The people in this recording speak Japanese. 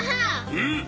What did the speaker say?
うん。